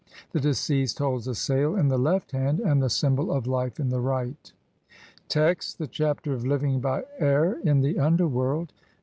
17) the deceased holds a sail in the left hand, and the symbol of life in the right. Text : (1) The Chapter of living by air in the under world.